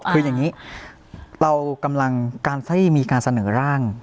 คืออย่างนี้เรากำลังการให้มีการเสนอร่าง